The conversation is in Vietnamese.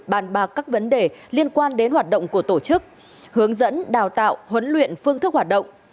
bàn bạc các vấn đề liên quan đến hoạt động của tổ chức hướng dẫn đào tạo huấn luyện phương thức hoạt động